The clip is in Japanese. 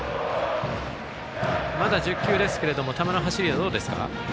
まだ１０球ですけれども球の走りはどうですか？